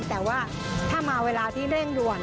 แต่ว่าถ้ามาเวลาที่เร่งด่วน